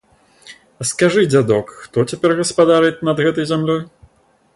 А скажы, дзядок, хто цяпер гаспадарыць над гэтай зямлёй?